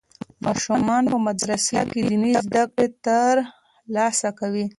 ماشومان په مدرسه کې دیني زده کړې ترلاسه کوي.